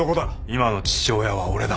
今の父親は俺だ。